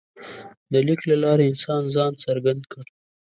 د لیک له لارې انسان ځان څرګند کړ.